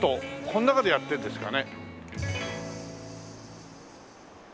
この中でやってるんですかね？